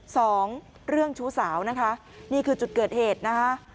สองเรื่องชู้สาวนะคะนี่คือจุดเกิดเหตุนะคะ